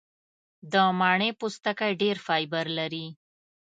د مڼې پوستکی ډېر فایبر لري.